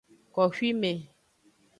Koxwime.